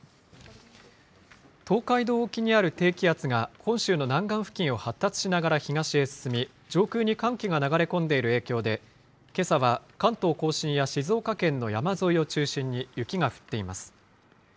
東海道沖にある低気圧が本州の南岸付近を発達しながら東へ進み、上空に寒気が流れ込んでいる影響で、けさは関東甲信や静岡県の山沿いを中心に雪が降っています。